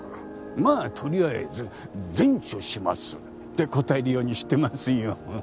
まあとりあえず善処しますって答えるようにしてますよ。ははっ。